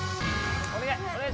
お願い！